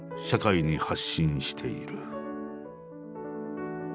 社会に発信している。